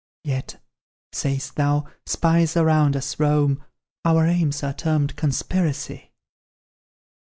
Yet sayst thou, spies around us roam, Our aims are termed conspiracy?